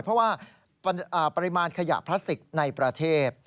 เพราะว่าปริมาณขยะพลาสติกในประเทศ